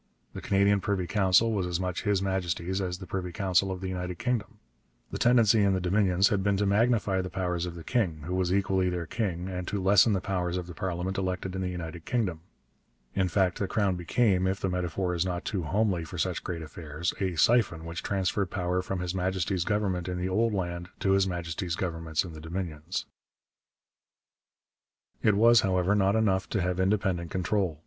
The Canadian Privy Council was as much His Majesty's as the Privy Council of the United Kingdom. The tendency in the Dominions had been to magnify the powers of the king, who was equally their king, and to lessen the powers of the parliament elected in the United Kingdom. In fact the Crown became, if the metaphor is not too homely for such great affairs, a siphon which transferred power from His Majesty's Government in the old land to His Majesty's Governments in the Dominions. It was, however, not enough to have independent control.